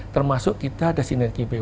termasuk kita ada sinergi bumn